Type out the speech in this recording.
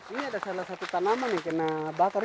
ini ada salah satu tanaman yang kena bakar